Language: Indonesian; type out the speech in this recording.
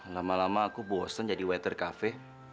lama lama aku bosen jadi waiter kafe